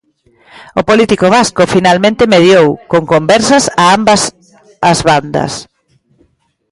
O político vasco finalmente mediou, con conversas a ambas as bandas.